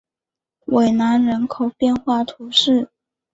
韦南人口变化图示